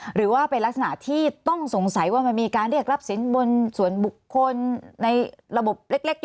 หรือว่าเป็นลักษณะที่ต้องสงสัยว่ามันมีการเรียกรับสินบนส่วนบุคคลในระบบเล็ก